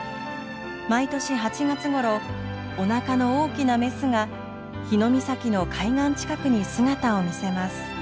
毎年８月ごろおなかの大きなメスが日御碕の海岸近くに姿を見せます。